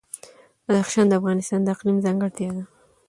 بدخشان د افغانستان د اقلیم ځانګړتیا ده.